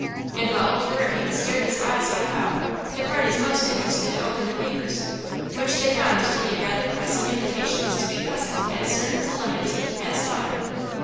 And while Old Hurricane stared his eyes half out, the parties most interested opened the papers, which they found to be rather pressing invitations to be present at a certain solemnity at Staunton.